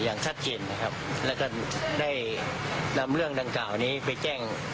อย่างชัดเจนนะครับแล้วก็ได้นำเรื่องดังกล่าวนี้ไปแจ้ง